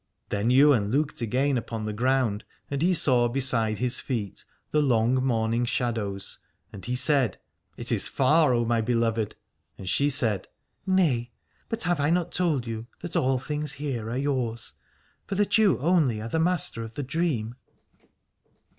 Then Ywain looked again upon the ground and he saw beside his feet the long morning shadows, and he said : It is far, O my beloved. And she said : Nay, but have I not told you, that all things here are yours, for that you only are the master of the dream